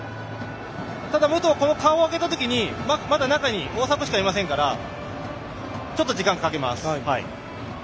武藤、顔を上げた時にまだ、中に大迫しかいませんからちょっと時間をかけます。